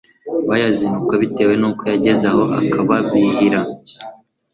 bayazinukwa bitewe nuko yagezaho akababihira